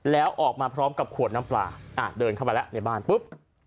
แล้วออกมาพร้อมกับขวดน้ำปลาเดินเข้าไปแล้วในบ้านปุ๊บ